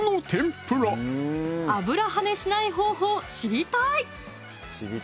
油はねしない方法知りたい！